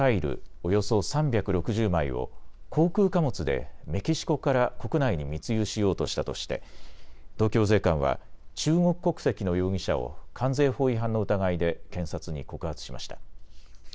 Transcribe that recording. およそ３６０枚を航空貨物でメキシコから国内に密輸しようとしたとして東京税関は中国国籍の容疑者を関税法違反の疑いで検察に告発しました。